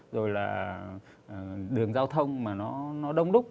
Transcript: rồi là đường giao thông mà nó đông đúc